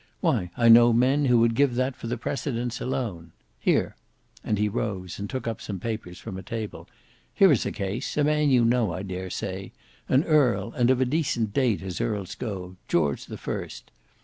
Why I know men who would give that for the precedence alone.—Here!" and he rose and took up some papers from a table: "Here is a case; a man you know, I dare say; an earl, and of a decent date as earls go: George the First.